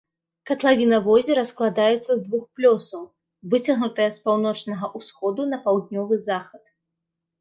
Катлавіна возера складаецца з двух плёсаў, выцягнутая з паўночнага ўсходу на паўднёвы захад.